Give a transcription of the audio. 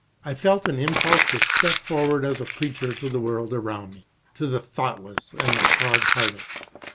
I felt an impulse to step forward as a preacher to the world around me, to the thoughtless and the hard hearted.